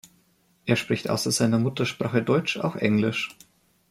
Er spricht außer seiner Muttersprache Deutsch auch Englisch.